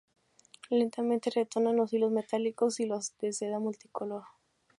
Lentamente retornaron los hilos metálicos y los de seda multicolor.